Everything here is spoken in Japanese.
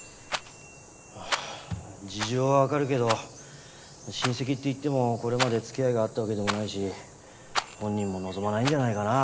事情はわかるけど親戚っていってもこれまで付き合いがあったわけでもないし本人も望まないんじゃないかな。